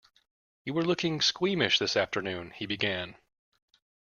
You were looking squeamish this afternoon, he began.